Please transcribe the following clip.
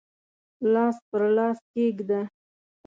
لاس پر لاس کښېږده